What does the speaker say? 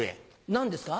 何ですか？